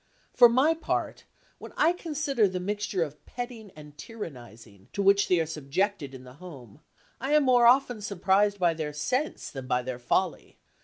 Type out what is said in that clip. For my part, when I consider the mixture of petting and tyrannising to which they are subjected in the home, I am more often surprised by their sense than by their folly.